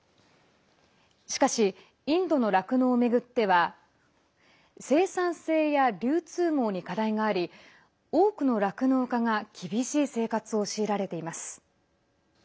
しかし、インドの酪農を巡っては生産性や流通網に課題があり多くの酪農家が厳しい生活を強いられています。